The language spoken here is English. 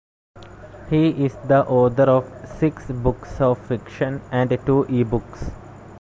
He is the author of six books of fiction and two ebooks.